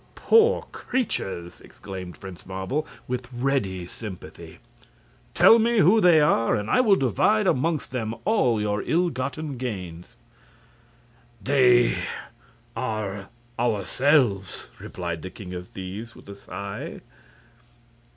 "Poor creatures!" exclaimed Prince Marvel, with ready sympathy; "tell me who they are, and I will divide amongst them all your ill gotten gains." "They are ourselves," replied the king of thieves, with a sigh.